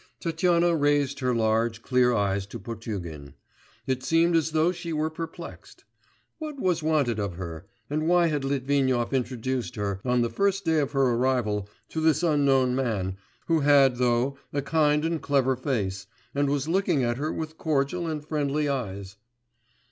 Tatyana raised her large, clear eyes to Potugin. It seemed as though she were perplexed. What was wanted of her, and why had Litvinov introduced her, on the first day of her arrival, to this unknown man, who had, though, a kind and clever face, and was looking at her with cordial and friendly eyes.